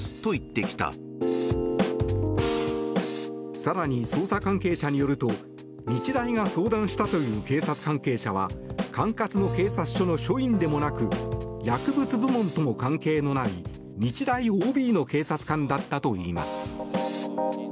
更に、捜査関係者によると日大が相談したという警察関係者は管轄の警察署の署員でもなく薬物部門とも関係のない日大ＯＢの警察官だったといいます。